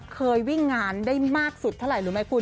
เคยวิ่งงานได้มากสุดเท่าไหร่รู้ไหมคุณ